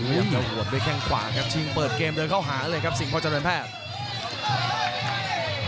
โอ้โหบด้วยแข้งขวาครับชิงเปิดเกมเดินเข้าหาเลยครับสิ่งพอเจริญแพทย์